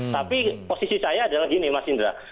tapi posisi saya adalah gini mas indra